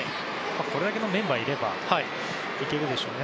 これだけのメンバーがいれば行けるでしょうね。